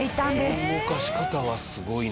すごい！